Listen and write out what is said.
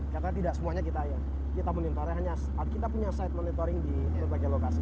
karena tidak semuanya kita yang kita monitor hanya kita punya site monitoring di berbagai lokasi